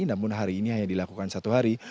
namun hari ini hanya dilakukan satu hari